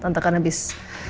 tante sudah berpikir